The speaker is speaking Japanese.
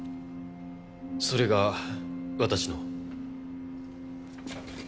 それが私の？